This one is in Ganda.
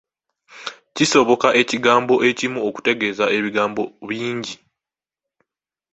Kisoboka ekigambo ekimu okutegeeza ebigambo bingi.